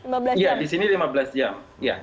iya di sini lima belas jam